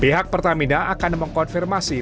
pihak pertamina akan mengkonfirmasi